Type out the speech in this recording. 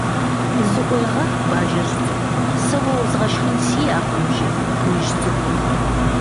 Зыӏуегъэх, Бажэжь цӏыкӏу, сэ уэ уэзгъэшхын сиӏэкъым, - жи Къуиижь Цӏыкӏум.